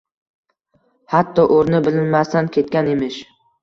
Hatto o’rni bilinmasdan ketgan emish.